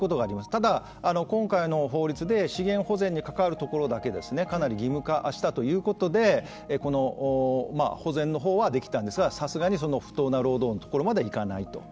ただ、今回の法律で資源保全にかかるところだけかなり義務化したということでこの保全のほうはできたんですがさすがに不当な労働のところまではいかない